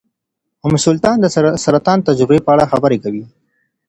ام سلطان د سرطان د تجربې په اړه خبرې کوي.